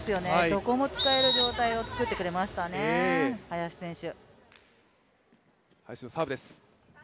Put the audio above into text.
どこも使える状態を作ってくれましたね、林選手。